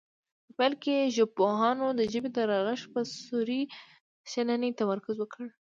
په پیل کې ژبپوهانو د ژبې د رغښت په صوري شننې تمرکز وکړ